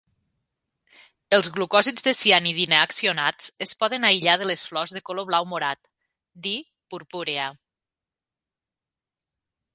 Els glucòsids de cianidina accionats es poden aïllar de les flors de color blau morat d""I. purpurea".